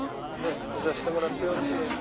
見させてもらってよろしいですか？